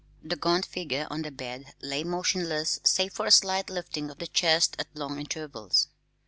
The gaunt figure on the bed lay motionless save for a slight lifting of the chest at long intervals.